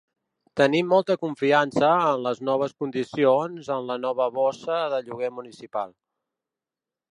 Tenim molta confiança en les noves condicions en la nova bossa de lloguer municipal.